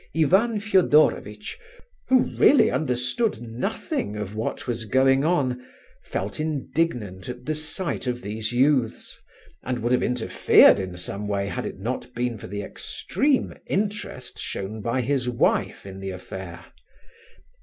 Ivan Fedorovitch, who really understood nothing of what was going on, felt indignant at the sight of these youths, and would have interfered in some way had it not been for the extreme interest shown by his wife in the affair.